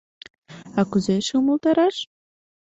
А кузе эше умылтараш?